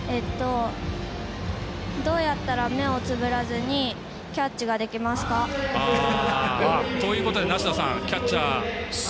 どうやったら目をつむらずにキャッチができますか？ということで梨田さんキャッチャー。